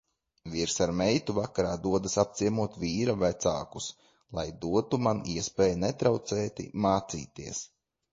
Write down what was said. Vīrs ar meitu vakarā dodas apciemot vīra vecākus, lai dotu man iespēju netraucēti mācīties.